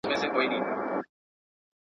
ایوبه توره دي د چا تر لاسه ورسېده.